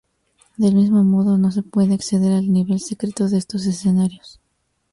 Del mismo modo, no se puede acceder al nivel secreto en estos escenarios.